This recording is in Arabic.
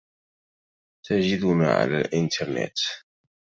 تجدنا على الإنترنت